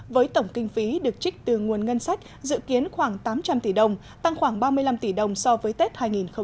với tổng kinh phí được trích từ nguồn ngân sách dự kiến khoảng tám trăm linh tỷ đồng tăng khoảng ba mươi năm tỷ đồng so với tết hai nghìn một mươi chín